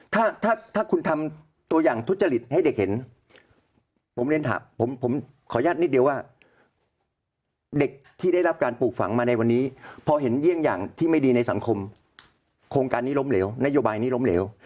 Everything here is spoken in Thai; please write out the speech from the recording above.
ถ้าถ้าคุณทำตัวอย่างทุจริตให้เด็กเห็นผมเรียนถามผมขออนุญาตนิดเดียวว่าเด็กที่ได้รับการปลูกฝังมาในวันนี้พอเห็นเยี่ยงอย่างที่ไม่ดีในสังคมโครงการนี้ล้มเหลวนโยบายนี้ล้มเหลว